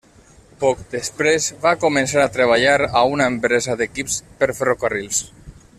Poc després va començar a treballar a una empresa d'equips per ferrocarrils.